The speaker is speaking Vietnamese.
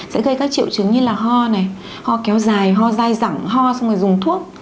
sẽ gây các triệu chứng như là ho này ho kéo dài ho dai rẳng ho xong rồi dùng thuốc